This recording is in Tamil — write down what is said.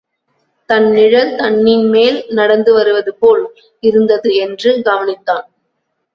தன் நிழல் தண்ணின் மேல் நடந்து வருவதுபோல் இருந்தது நின்று கவனித்தான்.